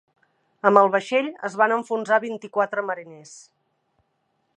Amb el vaixell es van enfonsar vint-i-quatre mariners.